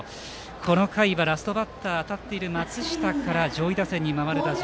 この回はラストバッター当たっている松下から上位打線に回る打順。